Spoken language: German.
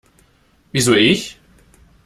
Wieso ich?